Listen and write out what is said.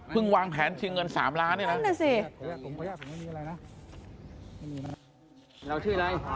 เพิ่งวางแผนเชียงเงิน๓ล้านนี่แหละ